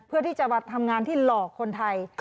เพื่อที่จะมาทำงานที่หลอกคนไทย